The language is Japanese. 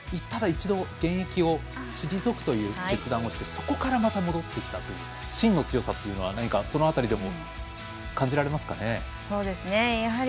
ただ一度、現役を退くという決断をしてそこからまた戻ってきたというしんの強さというのはその辺りでも感じられますかね。